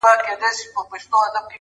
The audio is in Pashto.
په کور کلي کي ماتم وو هنګامه وه.!